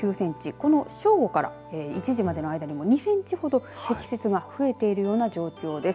この正午から１時までの間に２センチほど積雪が増えているような状況です。